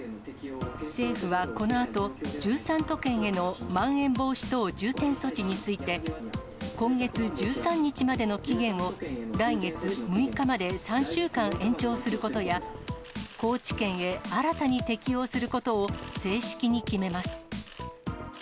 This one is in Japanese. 政府はこのあと、１３都県へのまん延防止等重点措置について、今月１３日までの期限を来月６日まで３週間延長することや、高知県へ新たに適用することを正式に決めます。